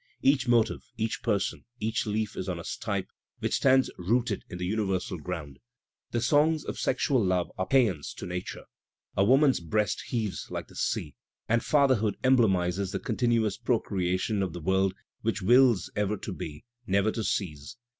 Each motive, each person, each leaf is on a stipe which stands rooted in the universal ground. The songs of sexual love are pseans to nature. A woman's breast heaves like the sea, and father hood emblenmes the continuous procreation of the world which wills ever to be, never to cease.